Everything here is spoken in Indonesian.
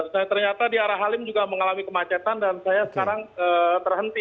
nah ternyata di arah halim juga mengalami kemacetan dan saya sekarang terhenti